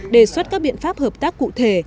đề xuất các biện pháp hợp tác cụ thể